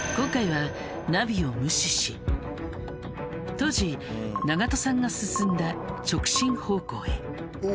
当時長門さんが進んだ直進方向へ。